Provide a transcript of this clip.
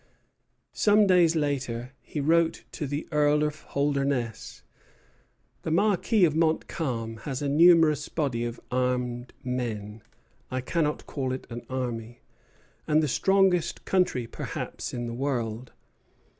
Some days later, he wrote to the Earl of Holdernesse: "The Marquis of Montcalm has a numerous body of armed men (I cannot call it an army), and the strongest country perhaps in the world.